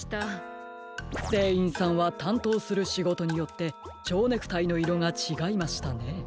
せんいんさんはたんとうするしごとによってちょうネクタイのいろがちがいましたね。